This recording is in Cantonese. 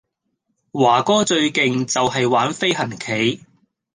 華哥最勁就係玩飛行棋